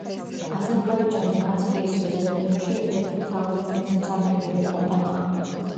აზერბაიჯანი კასპიის ზღვის რეგიონში ერთ-ერთი მთავარი ღვინის მწარმოებელი ქვეყანაა.